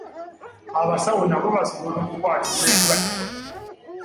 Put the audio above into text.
Abasawo nabo basobola okukwatibwa endwadde.